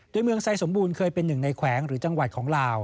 โดยเมืองไซสมบูรณ์เคยเป็นหนึ่งในแขวงหรือจังหวัดของลาว